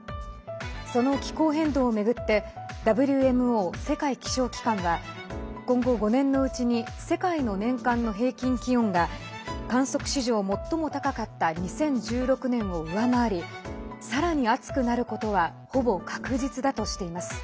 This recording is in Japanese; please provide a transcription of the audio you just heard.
その気候変動を巡ってＷＭＯ＝世界気象機関は今後５年のうちに世界の年間の平均気温が観測史上最も高かった２０１６年を上回りさらに暑くなることはほぼ確実だとしています。